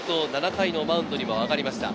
７回のマウンドにも上がりました。